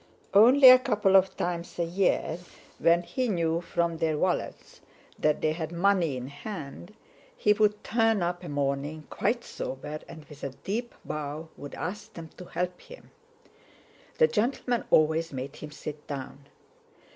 Only a couple of times a year—when he knew from their valets that they had money in hand—he would turn up of a morning quite sober and with a deep bow would ask them to help him. The gentlemen always made him sit down.